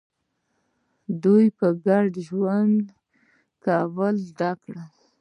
دوی په ګډه ژوند کول زده کړي.